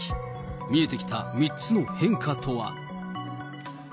見えてきた３つの変化とは。